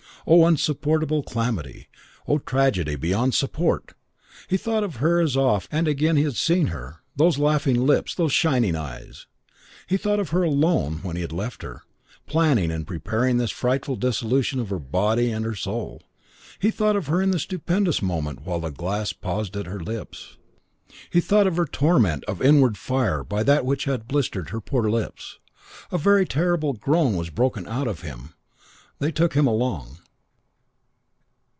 Oh, insupportable calamity! Oh, tragedy beyond support! He thought of her as oft and again he had seen her, those laughing lips, those shining eyes. He thought of her alone when he had left her, planning and preparing this frightful dissolution of her body and her soul. He thought of her in the stupendous moment while the glass paused at her lips. He thought of her in torment of inward fire by that which had blistered her poor lips. A very terrible groan was broken out of him. They took him along.